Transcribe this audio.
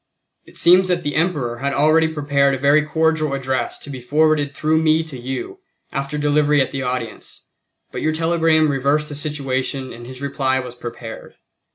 It seems that the Emperor had already prepared a very cordial address to be forwarded through me to you, after delivery at the audience, but your telegram reversed the situation and his reply was prepared.